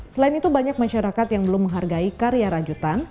selain itu banyak masyarakat yang belum menghargai karya rajutan